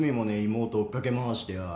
妹追っ掛け回してよ